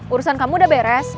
urusan kamu udah beres